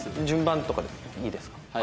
順番とかでもいいですか？